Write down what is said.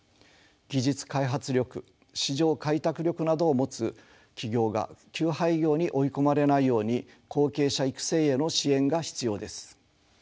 技術開発力市場開拓力などを持つ企業が休廃業に追い込まれないように後継者育成への支援が必要です。